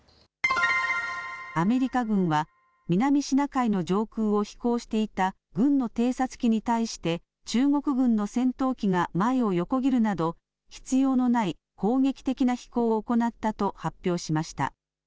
アメリカ軍は南シナ海の上空を飛行していた軍の偵察機に対して中国軍の戦闘機が前を横切るなど必要のない攻撃的な飛行を行ったと発表しました。